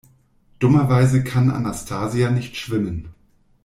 Dummerweise kann Anastasia nicht schwimmen.